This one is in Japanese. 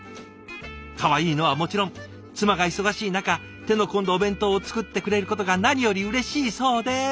かわいいのはもちろん妻が忙しい中手の込んだお弁当を作ってくれることが何よりうれしいそうです。